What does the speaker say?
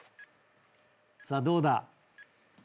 さあどうだ？